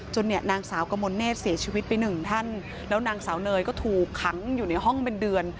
เนี่ยนางสาวกมลเนธเสียชีวิตไปหนึ่งท่านแล้วนางสาวเนยก็ถูกขังอยู่ในห้องเป็นเดือน